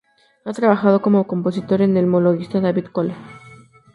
Ha trabajado como compositor con el monologuista David Cole.